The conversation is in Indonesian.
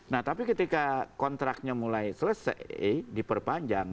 nah tapi ketika kontraknya mulai selesai diperpanjang